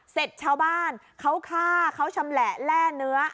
เสร็จชาวบ้านเขาฆ่าเขาชำแหละแร่เนื้อ